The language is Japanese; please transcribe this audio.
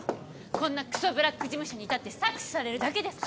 こんなクソブラック事務所にいたって搾取されるだけですから！